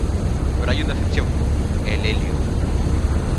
Pero hay una excepción: el helio.